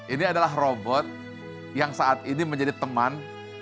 ini adalah robot yang saat ini menjadi teman